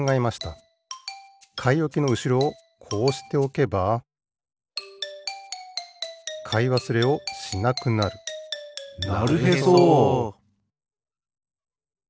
かいおきのうしろをこうしておけばかいわすれをしなくなるなるへそ！